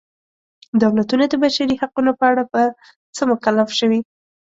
دولتونه د بشري حقونو په اړه په څه مکلف شوي.